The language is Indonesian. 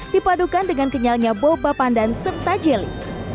dipadukan dengan kenyalnya boba pandan serta jeli